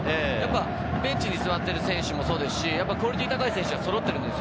ベンチに座ってる選手もそうですし、クオリティーの高い選手がそろっています。